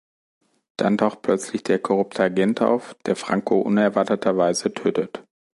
Dann taucht plötzlich der korrupte Agent auf, der Franco unerwarteterweise tötet.